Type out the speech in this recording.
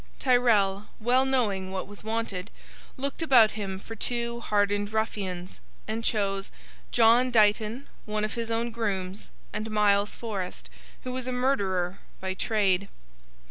Tyrrel, well knowing what was wanted, looked about him for two hardened ruffians, and chose John Dighton, one of his own grooms, and Miles Forest, who was a murderer by trade.